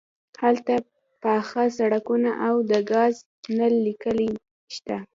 هلته پاخه سړکونه او د ګاز نل لیکې شته